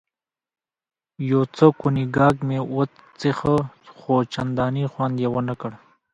یو څه کونیګاک مې وڅېښه، خو چندانې خوند یې ونه کړ.